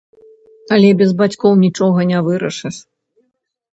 Але без бацькоў нічога не вырашыш.